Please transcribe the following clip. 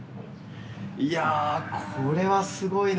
いやあこれはすごいな。